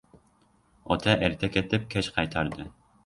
Ota erta ketib, kech qaytardi.